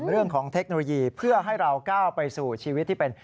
เทคโนโลยีเพื่อให้เราก้าวไปสู่ชีวิตที่เป็น